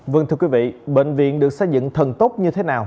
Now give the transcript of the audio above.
vâng thưa quý vị bệnh viện được xây dựng thần tốc như thế nào